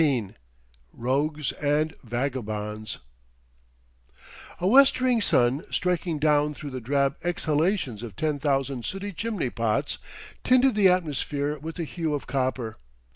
XVII ROGUES AND VAGABONDS A westering sun striking down through the drab exhalations of ten thousand sooty chimney pots, tinted the atmosphere with the hue of copper.